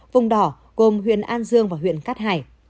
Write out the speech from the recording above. vùng đỏ gồm huyện an dương và huyện cát hải